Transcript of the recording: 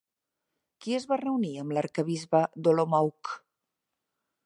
Qui es va reunir amb l'arquebisbe d'Olomouc?